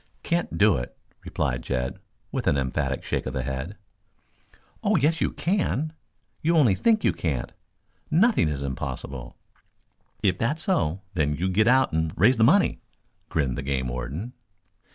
"Can't do it," replied Jed, with an emphatic shake of the head. "Oh, yes you can. You only think you can't. Nothing is impossible." "If that's so, then you git out and raise the money," grinned the game warden.